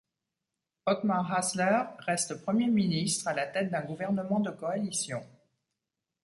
Otmar Hasler reste Premier Ministre, à la tête d'un gouvernement de coalition.